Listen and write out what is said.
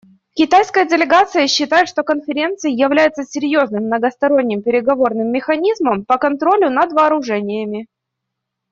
Китайская делегация считает, что Конференция является серьезным многосторонним переговорным механизмом по контролю над вооружениями.